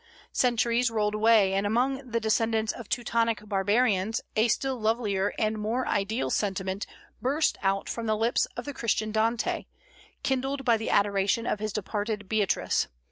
Centuries rolled away, and among the descendants of Teutonic barbarians a still lovelier and more ideal sentiment burst out from the lips of the Christian Dante, kindled by the adoration of his departed Beatrice.